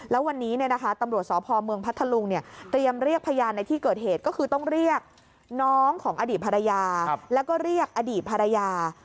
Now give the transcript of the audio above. แล้ววันนี้ตำรวจสพเมืองพัทธลุงเตรียมเรียกพยานในที่เกิดเหตุก็คือต้องเรียกน้องของอดีตภรรยาแล้วก็เรียกอดีตภรรยา